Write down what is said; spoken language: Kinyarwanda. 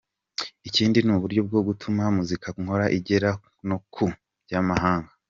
Ikindi ni uburyo bwo gutuma muzika nkora igera no ku banyamahanga.